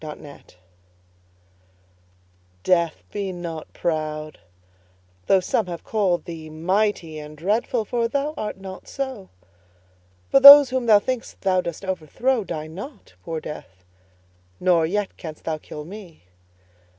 Death DEATH, be not proud, though some have called thee Mighty and dreadful, for thou art not so: For those whom thou think'st thou dost overthrow Die not, poor Death; nor yet canst thou kill me.